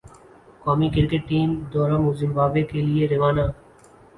قومی cricket team دورہ Zimbabwe کے لئے روانہ